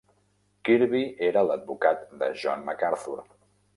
Kirby era l'advocat de John MacArthur.